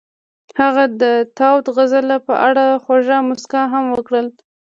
هغې د تاوده غزل په اړه خوږه موسکا هم وکړه.